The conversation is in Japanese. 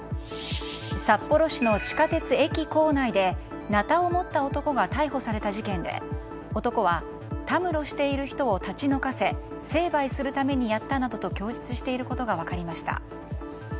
札幌市の地下鉄駅構内でなたを持った男が逮捕された事件で男は、たむろしている人を立ち退かせ成敗するためにやったなどと供述していることが分かりました。